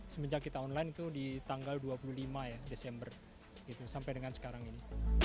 semenjak kita online itu di tanggal dua puluh lima ya desember sampai dengan sekarang ini